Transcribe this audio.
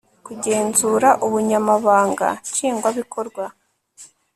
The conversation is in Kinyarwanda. kugenzura ubunyamabanga nshingwa bikorwa